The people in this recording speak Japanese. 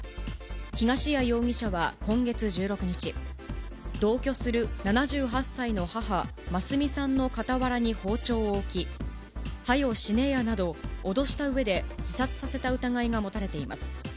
東谷容疑者は今月１６日、同居する７８歳の母、眞澄さんの傍らに包丁を置き、はよ死ねやなど、脅したうえで、自殺させた疑いが持たれています。